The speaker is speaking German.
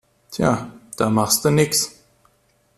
Tja, da machste nix.